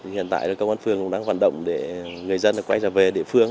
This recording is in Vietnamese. hiện tại công an phường cũng đang vận động để người dân quay trở về địa phương